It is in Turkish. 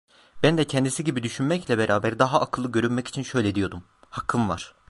Ben de kendisi gibi düşünmekle beraber, daha akıllı görünmek için şöyle diyordum: "Hakkın var."